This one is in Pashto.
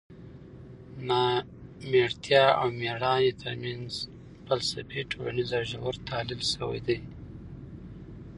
نامېړتیا او مېړانې ترمنځ فلسفي، ټولنیز او ژور تحلیل شوی دی.